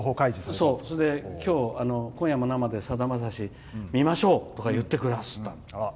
きょう「今夜も生でさだまさし」見ましょうとか言ってくださった。